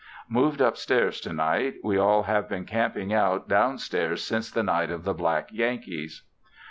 Moved upstairs tonight. We all have been camping out down stairs since the night of the black Yankees.